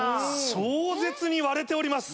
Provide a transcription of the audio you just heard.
壮絶に割れております。